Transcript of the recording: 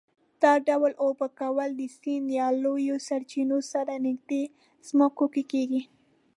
دا ډول اوبه کول د سیند یا لویو سرچینو سره نږدې ځمکو کې کېږي.